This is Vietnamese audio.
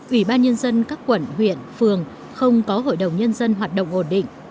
ủy ban nhân dân các quận huyện phường không có hội đồng nhân dân hoạt động ổn định